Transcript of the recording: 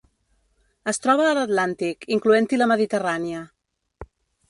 Es troba a l'Atlàntic, incloent-hi la Mediterrània.